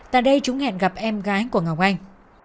tại đây chúng hẹn gặp em gái của ngọc anh